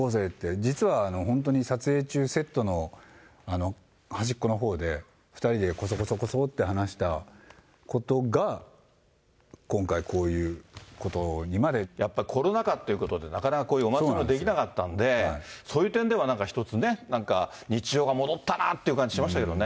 実は本当に、撮影中、セットの端っこのほうで、２人でこそこそこそって話したことが、今回、こういうことにまで。やっぱコロナ禍ということで、なかなか、こういうお祭りもできなかったんで、そういう点では一つね、なんか日常が戻ったなぁって感じしましたけどね。